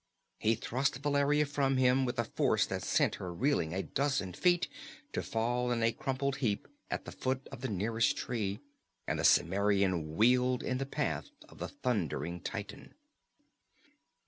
He thrust Valeria from him with a force that sent her reeling a dozen feet to fall in a crumpled heap at the foot of the nearest tree, and the Cimmerian wheeled in the path of the thundering titan.